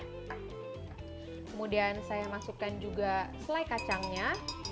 kemudian saya masukkan juga selai kacangnya